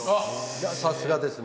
さすがですね。